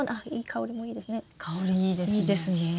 香りいいですね。